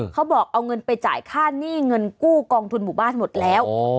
เขาบอกเอาเงินไปจ่ายค่าหนี้เงินกู้กองทุนหมู่บ้านหมดแล้ว